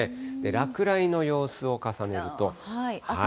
落雷の様子を重ねると。